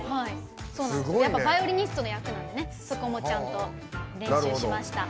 バイオリニストの役なのでそこもちゃんと練習しました。